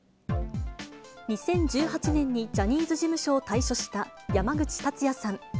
２０１８年にジャニーズ事務所を退所した山口達也さん。